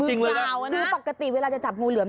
จริงเลยนะคือปกติเวลาจะจับงูเหลือม